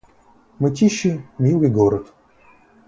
Мытищи — милый город